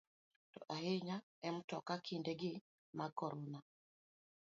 To ahinya e mtoka kinde gi mag korona.